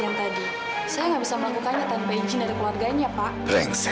saya nggak bisa melakukannya tanpa izin dari keluarganya pak